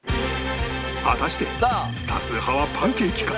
果たして多数派はパンケーキか？